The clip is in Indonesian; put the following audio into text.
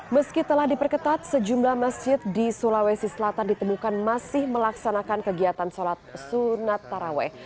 meski telah diperketat sejumlah masjid di sulawesi selatan ditemukan masih melaksanakan kegiatan sholat sunat taraweh